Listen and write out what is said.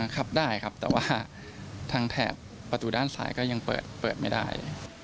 ขับได้ครับแต่ว่าทางแถบประตูด้านซ้ายก็ยังเปิดไม่ได้